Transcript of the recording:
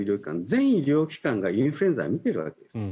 全医療機関がインフルエンザを診ているわけです。